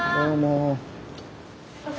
どうも。